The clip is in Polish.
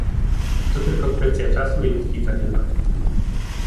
To tylko kwestia czasu i ludzkich zaniedbań